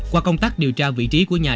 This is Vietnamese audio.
qua công tác điều tra vị trí của nhân vật